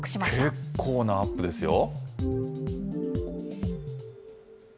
結構なアップですよ。